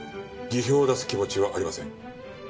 辞表を出す気持ちはありません。